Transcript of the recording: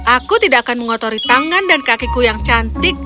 aku tidak akan mengotori tangan dan kakiku yang cantik